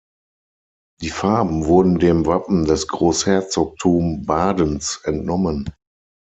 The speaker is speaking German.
Die Farben wurden dem Wappen des Großherzogtum Badens entnommen.